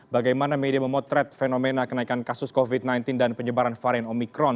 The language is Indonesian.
bagaimana media memotret fenomena kenaikan kasus covid sembilan belas dan penyebaran varian omikron